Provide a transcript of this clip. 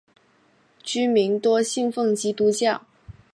居民多信奉基督教。